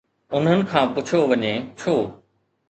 انهن کان پڇيو وڃي، ڇو؟